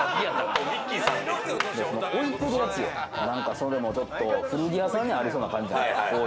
それも古着屋さんにありそうな感じ。